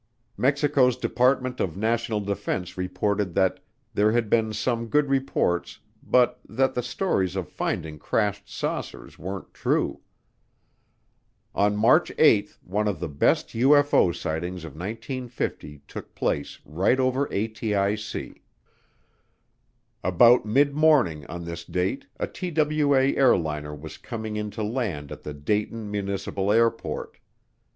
Mexico's Department of National Defense reported that there had been some good reports but that the stories of finding crashed saucers weren't true. On March 8 one of the best UFO sightings of 1950 took place right over ATIC. About midmorning on this date a TWA airliner was coming in to land at the Dayton Municipal Airport.